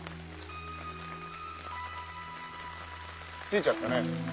着いちゃったね。